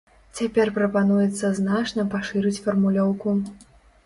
Цяпер прапануецца значна пашырыць фармулёўку.